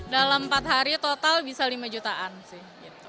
dalam empat hari total bisa lima jutaan sih